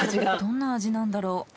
どんな味なんだろう。